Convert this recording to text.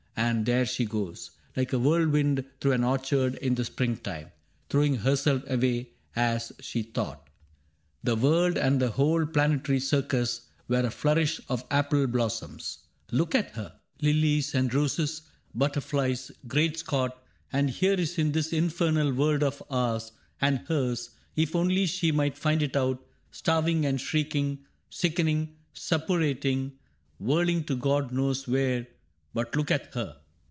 — And there she goes. Like a whirlwind through an orchard in the springtime — Throwing herself away as if she thought 24 CAPTAIN CRAIG The world and the whole planetary circus Were a flourish of apple blossoms. Look at her ! Lilies and roses ! Butterflies ! Great Scott ! And here is this infernal world of ours — And hers, if only she might find it out — Starving and shrieking, sickening, suppurating, Whirling to God knows where .•• But look at her!